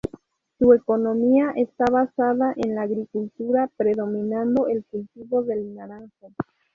Su economía está basada en la agricultura predominando el cultivo del naranjo.